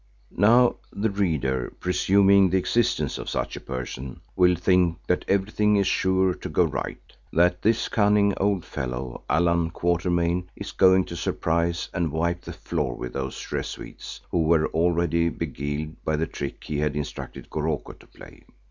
Now the reader, presuming the existence of such a person, will think that everything is sure to go right; that this cunning old fellow, Allan Quatermain, is going to surprise and wipe the floor with those Rezuites, who were already beguiled by the trick he had instructed Goroko to play.